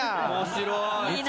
面白い。